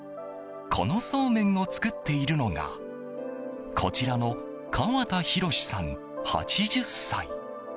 このそうめんを作っているのがこちらの河田紘志さん、８０歳。